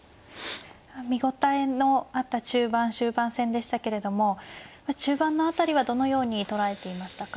見応えのあった中盤終盤戦でしたけれども中盤の辺りはどのように捉えていましたか。